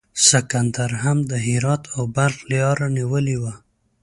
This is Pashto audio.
سکندر هم د هرات او بلخ لیاره نیولې وه.